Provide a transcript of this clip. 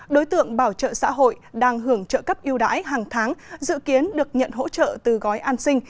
đối tượng bảo trợ xã hội đang hưởng trợ cấp yêu đãi hàng tháng dự kiến được nhận hỗ trợ từ gói an sinh